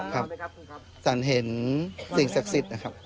ครับฝันเห็นสิ่งศักดิ์สิทธิ์นะครับ